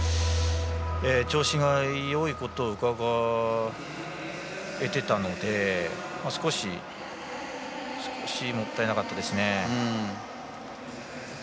調子がいいことがうかがえていたので少し、もったいなかったですね。